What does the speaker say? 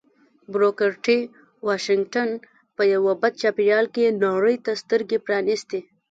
بروکر ټي واشنګټن په یوه بد چاپېريال کې نړۍ ته سترګې پرانيستې